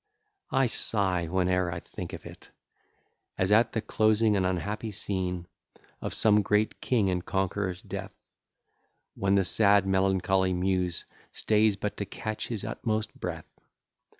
I sigh whene'er I think of it: As at the closing an unhappy scene Of some great king and conqueror's death, When the sad melancholy Muse Stays but to catch his utmost breath.